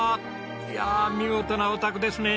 いや見事なお宅ですね。